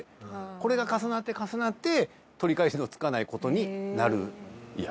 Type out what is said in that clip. これが重なって重なって取り返しの付かないことになるいや